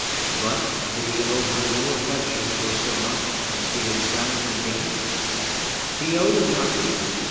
But, did he owe her no affection for so much as she had silently given? He owed her nothing.